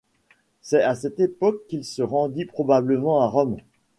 C'est à cette époque qu'il se rendit probablement à Rome.